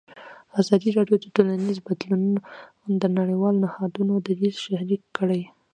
ازادي راډیو د ټولنیز بدلون د نړیوالو نهادونو دریځ شریک کړی.